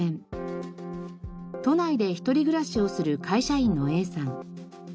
都内で一人暮らしをする会社員のＡさん。